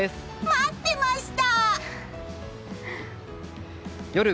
待ってました！